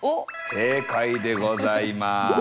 正解でございます。